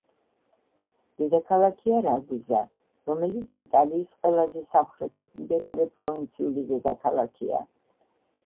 დედაქალაქია რაგუზა, რომელიც იტალიის ყველაზე სამხრეთით მდებარე პროვინციული დედაქალაქია.